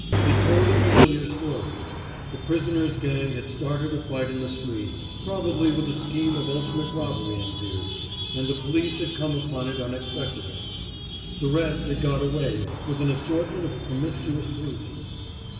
It told a familiar story. The prisoner's gang had started a fight in the street, probably with a scheme of ultimate robbery in view, and the police had come upon it unexpectedly. The rest had got away with an assortment of promiscuous bruises.